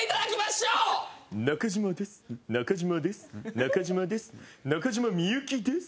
中島です。